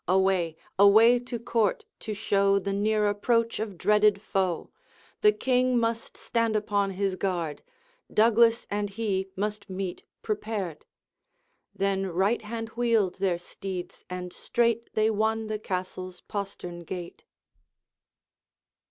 Away, away, to court, to show The near approach of dreaded foe: The King must stand upon his guard; Douglas and he must meet prepared.' Then right hand wheeled their steeds, and straight They won the Castle's postern gate.